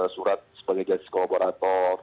surat sebagai justice collaborator